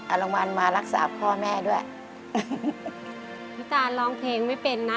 โรงพยาบาลมารักษาพ่อแม่ด้วยพี่ตานร้องเพลงไม่เป็นนะ